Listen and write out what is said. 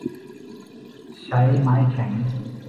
ใช้ไม้แข็ง